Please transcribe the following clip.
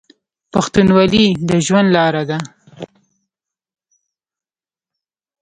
پښتونولي د ژوند لاره ده.